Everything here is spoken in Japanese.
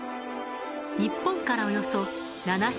日本からおよそ７０００ｋｍ離れた。